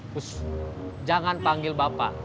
bus jangan panggil bapak